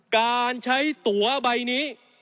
การใช้ตัวใบนี้